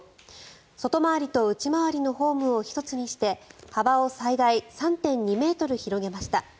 外回りと内回りのホームを１つにして幅を最大３．２ｍ広げました。